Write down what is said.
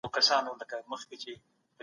غوښه په سمه توګه پاخه کړئ.